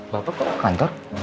bapak kok kantor